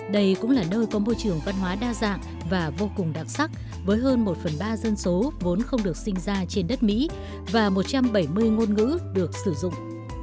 đây cũng là nơi có môi trường văn hóa đa dạng và vô cùng đặc sắc với hơn một phần ba dân số vốn không được sinh ra trên đất mỹ và một trăm bảy mươi ngôn ngữ được sử dụng